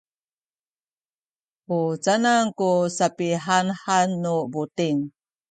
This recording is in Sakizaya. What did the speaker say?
u canan ku sapihanhan nu buting?